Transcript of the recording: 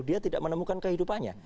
dia tidak menemukan kehidupannya